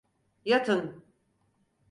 Yatın!